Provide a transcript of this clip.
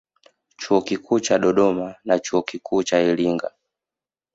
Chuo Kikuu cha Dodoma na Chuo Kikuu cha Iringa